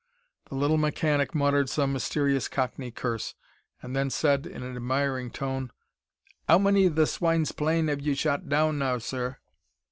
The little mechanic muttered some mysterious cockney curse, and then said, in an admiring tone: "'Ow many of the swines' planes 'ave you shot down now, sir?"